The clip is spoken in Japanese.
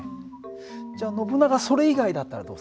じゃあノブナガそれ以外だったらどうする？